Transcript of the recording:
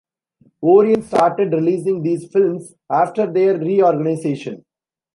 Orion started releasing these films after their reorganization.